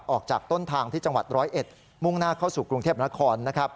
ออกจากต้นทางที่จังหวัดร้อยเอ็ดมุ่งหน้าเข้าสู่กรุงเทพนคร